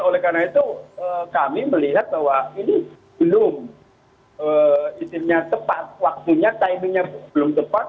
oleh karena itu kami melihat bahwa ini belum istilahnya tepat waktunya timingnya belum tepat